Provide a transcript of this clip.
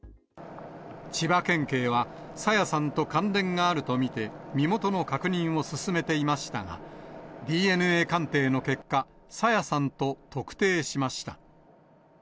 千葉県警は、朝芽さんと関連があると見て、身元の確認を進めていましたが、ＤＮＡ鑑定の結果、朝芽さんと特定しました。